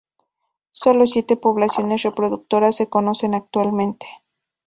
Solo siete poblaciones reproductoras se conocen actualmente.